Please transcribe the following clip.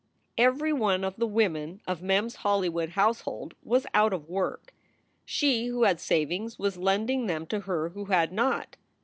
Every one of the women of Mem s Hollywood household was out of work. She who had savings was lending them to her who had not.